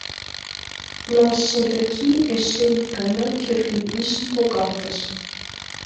Но содыки эше ик гана кӧргӧ вийжым погалтыш: